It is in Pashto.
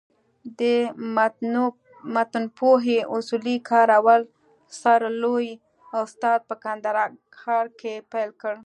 د متنپوهني اصولي کار اول سر لوى استاد په کندهار کښي پېل کړ.